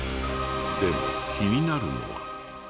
でも気になるのは。